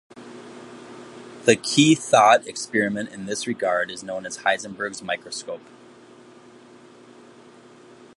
The key thought experiment in this regard is known as Heisenberg's microscope.